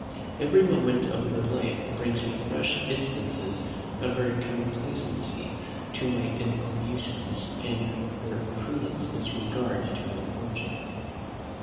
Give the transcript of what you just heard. Every moment of her life brings me fresh instances of her complacency to my inclinations, and her prudence in regard to my fortune.